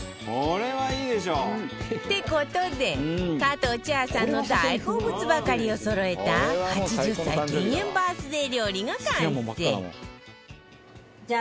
って事で加藤茶さんの大好物ばかりをそろえた８０歳減塩バースデー料理が完成